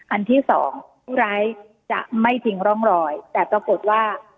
อันที่สองผู้ร้ายจะไม่ทิ้งร่องรอยแต่ปรากฏว่า